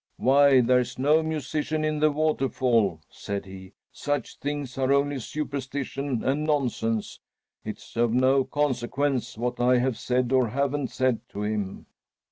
"Why, there's no musician in the waterfall!" said he. "Such things are only superstition and nonsense! It's of no consequence what I have said or haven't said to him."